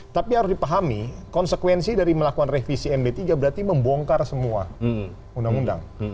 tapi harus dipahami konsekuensi dari melakukan revisi md tiga berarti membongkar semua undang undang